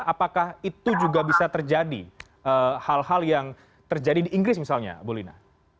apakah itu juga bisa terjadi hal hal yang terjadi di inggris misalnya bu lina